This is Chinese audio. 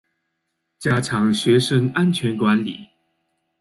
加强学生安全管理